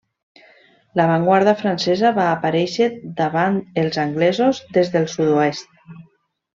L'avantguarda francesa va aparèixer davant els anglesos des del sud-oest.